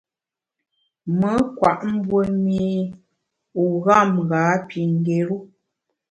Me nkwet mbue mî u gham ghâ pi ngéru.